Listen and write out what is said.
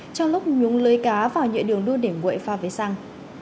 trong lúc nhúng lưới cá vào nhựa đường đu đỉnh bụi pha với xăng